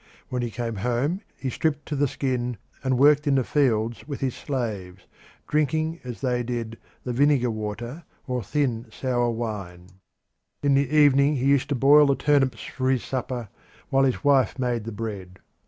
When he came home he stripped to the skin and worked in the fields with his slaves, drinking as they did the vinegar water or the thin, sour wine. In the evening he used to boil the turnips for his supper while his wife made the bread.